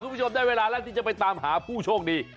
คุณผู้ชมได้เวลาแล้วที่จะไปตามหาผู้โชคดี